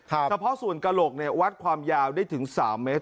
แต่เพราะส่วนกะโหลกเนี่ยวัดความยาวได้ถึง๓เมตร